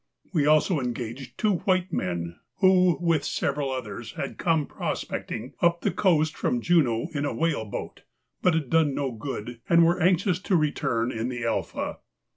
We also engaged two white men who, with several others, had come prospecting up the coast from Juneau in a whale boat, but had done no good and were anxious to return in the 'Alpha.